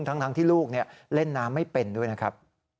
ทั้งที่ลูกเล่นน้ำไม่เป็นด้วยนะครับ